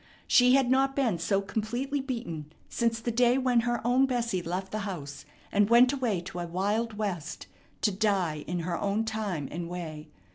She had not been so completely beaten since the day when her own Bessie left the house and went away to a wild West to die in her own time and way.